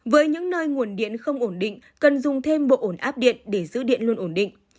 với những nơi nguồn điện không ổn định cần dùng thêm bộ ổn áp điện để giữ điện luôn ổn định